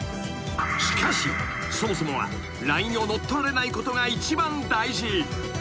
［しかしそもそもはＬＩＮＥを乗っ取られないことが一番大事］